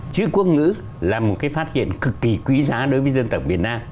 chữ quốc ngữ là một cái phát hiện cực kỳ quý giá đối với dân tộc việt nam